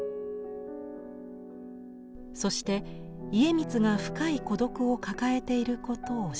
そして家光が深い孤独を抱えていることを知るのです。